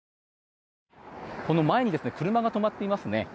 この前に車が止まっていますね。